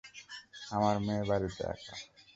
আমার মেয়ে বাড়িতে একা।